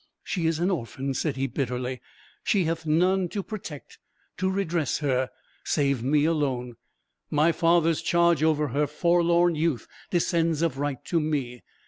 "She is an orphan," said he, bitterly; "she hath none to protect, to redress her, save me alone. My father's charge over her forlorn youth descends of right to me.